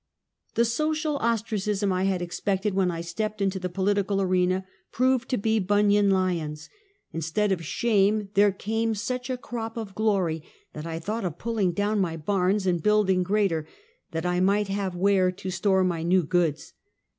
The social ostracism I had expected when I stepped into the political arena, proved to be Bunyan lions. Instead of shame there came sucli a crop of glory that I thought of pulling down my barns and building greater, that I might have where to store my new goods.